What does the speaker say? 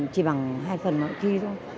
chỉ bằng hai phần mọi chi thôi